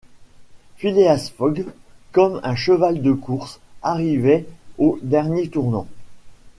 Phileas Fogg, comme un cheval de course, arrivait au dernier tournant.